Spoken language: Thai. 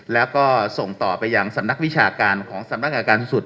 แล้วก็ส่งต่อไปยังสำนักวิชาการของสำนักงานการสุด